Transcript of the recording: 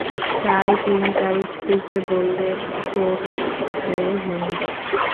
তাই তিনি তার স্ত্রীকে বললেন, শোন হে হিন্দ!